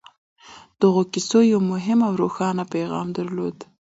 دغو کيسو يو مهم او روښانه پيغام درلود.